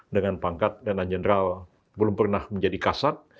dengan pangkat danan jenderal belum pernah menjadi kasat